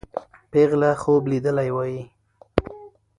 پېغله خوب لیدلی وایي.